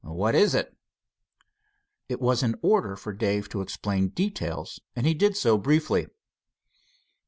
"What is it?" It was in order for Dave to explain details, and did so briefly.